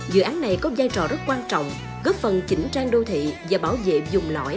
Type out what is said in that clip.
dự án này có giai trò rất quan trọng góp phần chỉnh trang đô thị và bảo vệ dùng lõi